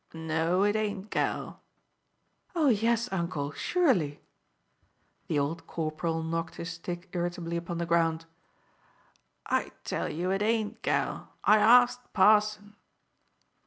"No, it ain't, gal." "Oh, yes, uncle, surely!" The old corporal knocked his stick irritably upon the ground. "I tell ye it ain't, gal. I asked parson."